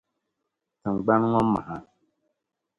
Tiŋgbaŋ ŋɔ maha.